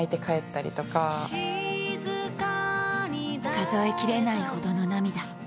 数え切れないほどの涙。